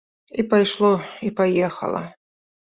І пайшло, і паехала.